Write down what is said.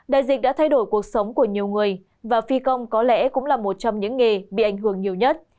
đại dịch đã thay đổi cuộc sống của nhiều người và phi công có lẽ cũng là một trong những nghề bị ảnh hưởng nhiều nhất